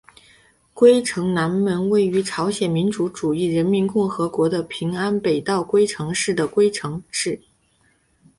龟城南门位于朝鲜民主主义人民共和国的平安北道龟城市的龟州城。